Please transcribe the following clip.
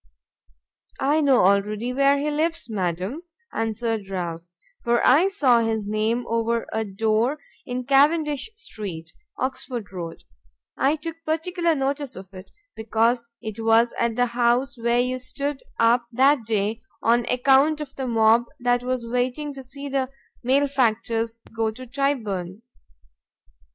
"I know already where he lives, madam," answered Ralph, "for I saw his name over a door in Cavendish street, Oxford road; I took particular notice of it, because it was at the house where you stood up that day on account of the mob that was waiting to see the malefactors go to Tyburn."